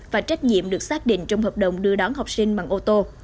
và trách nhiệm được xác định trong hợp đồng đưa đón học sinh bằng ô tô